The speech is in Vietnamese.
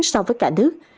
sau vận chuyển